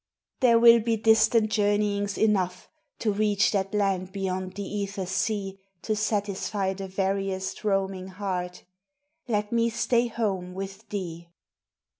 THERE will be distant journeyings enough To reach that Land beyond the ether's sea, To satisfy the veriest roaming heart, Let me stay home with thee!